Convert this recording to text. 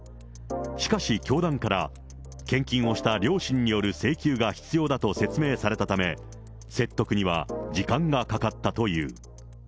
しかし教団から、献金をした両親による請求が必要だと説明されたため、説得には時間がかかったという。